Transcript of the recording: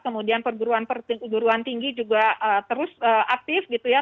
kemudian perguruan perguruan tinggi juga terus aktif gitu ya